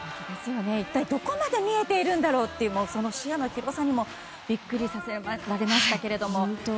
一体どこまで見えているんだろうというその視野の広さにもビックリさせられましたけれども。